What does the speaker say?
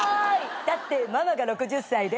だってママが６０歳で。